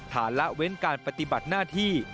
ละเว้นการปฏิบัติหน้าที่